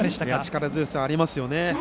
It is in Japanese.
力強さがありますね。